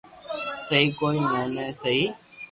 سھي ڪوئي مون تو سھي